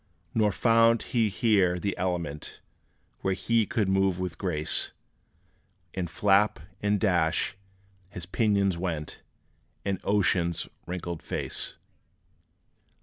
Nor found he here the element Where he could move with grace; And flap, and dash, his pinions went, In ocean's wrinkled face.